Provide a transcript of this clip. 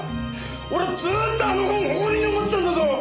俺はずっとあの本を誇りに思ってたんだぞ！